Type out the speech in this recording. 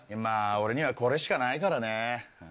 まぁ俺にはこれしかないからね。